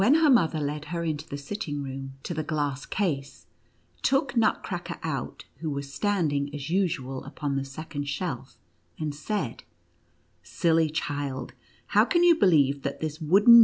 her mother led her into the sitting room, to the glass case ; took Nutcracker out, who was standing, as usual, irpon the second shelf, and said: "Silly child, how can you believe that this wooden.